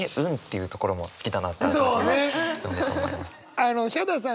あのヒャダさん